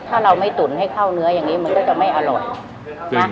ถ้าเราไม่ตุ๋นให้เข้าเนื้ออย่างนี้มันก็จะไม่อร่อยนะ